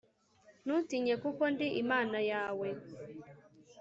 Ntutinye kuko ndi imana yawe